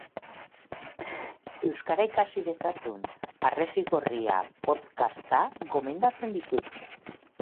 Euskara ikasi dezazun, Harresi Gorria podcasta gomendatzen dizut